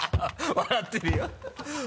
笑ってるよ